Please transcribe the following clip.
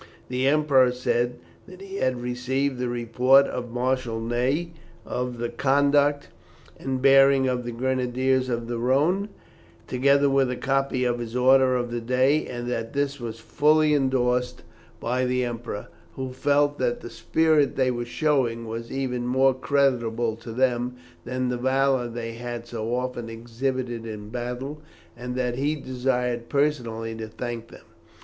The Emperor said that he had received the report of Marshal Ney of the conduct and bearing of the Grenadiers of the Rhone, together with a copy of his order of the day, and that this was fully endorsed by the Emperor, who felt that the spirit they were showing was even more creditable to them than the valour that they had so often exhibited in battle, and that he desired personally to thank them.